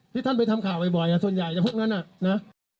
ที่ท่านไปทำข่าวบ่อยบ่อยอ่ะส่วนใหญ่จะพวกนั้นน่ะนะ